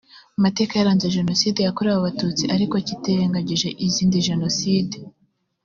mateka yaranze jenoside yakorewe abatutsi ariko kitirengagije izindi jenoside